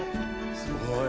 すごい。